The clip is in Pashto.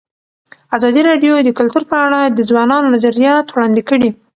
ازادي راډیو د کلتور په اړه د ځوانانو نظریات وړاندې کړي.